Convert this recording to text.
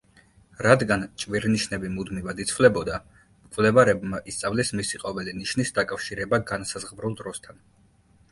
რადგან ჭვირნიშნები მუდმივად იცვლებოდა, მკვლევარებმა ისწავლეს მისი ყოველი ნიშნის დაკავშირება განსაზღვრულ დროსთან.